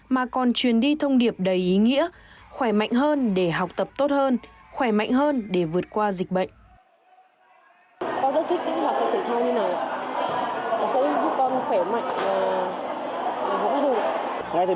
mà còn truyền đi thông điệp đầy ý nghĩa khỏe mạnh hơn để học tập tốt hơn khỏe mạnh hơn để vượt qua dịch bệnh